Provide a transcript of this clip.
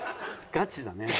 ガチだね。